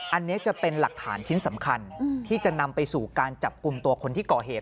อันนี้จะเป็นหลักฐานชิ้นสำคัญที่จะนำไปสู่การจับกลุ่มตัวคนที่ก่อเหตุ